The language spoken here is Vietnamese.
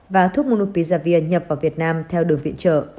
và thuốc monopizavir nhập vào việt nam theo đường viện trợ